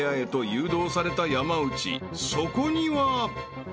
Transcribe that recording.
［そこには］